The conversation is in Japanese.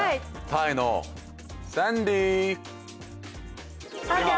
タイのサンディー。